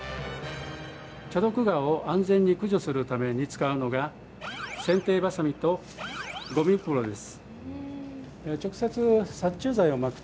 チャドクガを安全に駆除するために使うのがせんていばさみとごみ袋です。